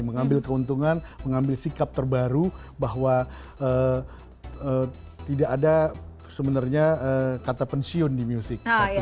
mengambil keuntungan mengambil sikap terbaru bahwa tidak ada sebenarnya kata pensiun di musik